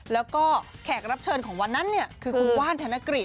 แล้วก็แขกรับเชิญของวันนั้นคือคุณกว้านธนกฤษ